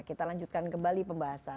kita lanjutkan kembali pembahasan